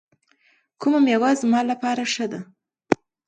کومه میوه زما لپاره ښه ده؟